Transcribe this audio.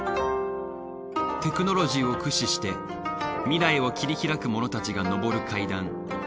テクノロジーを駆使して未来を切り拓く者たちが昇る階段。